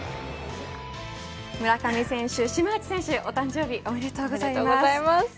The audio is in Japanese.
村上選手、島内選手お誕生日おめでとうございます。